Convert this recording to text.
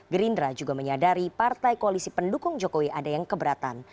gerindra juga menyadari partai koalisi pendukung jokowi ada yang keberatan